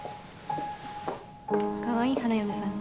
かわいい花嫁さんね。